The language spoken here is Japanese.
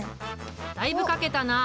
だいぶ書けたなあ。